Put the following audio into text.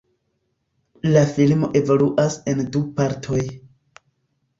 La filmo evoluas en du partoj.